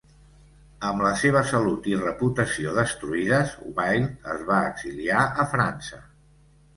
Amb la seva salut i reputació destruïdes, Wilde es va exiliar a França.